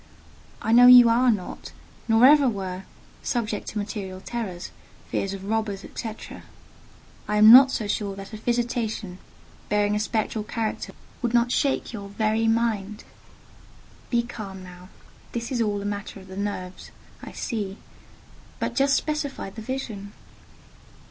I know that you are not, nor ever were, subject to material terrors, fears of robbers, &c.—I am not so sure that a visitation, bearing a spectral character, would not shake your very mind. Be calm now. This is all a matter of the nerves, I see: but just specify the vision."